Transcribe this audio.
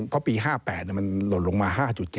เพราะปี๕๘มันหล่นลงมา๕๗